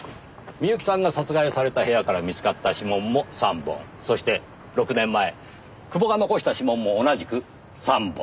深雪さんが殺害された部屋から見つかった指紋も３本そして６年前久保が残した指紋も同じく３本。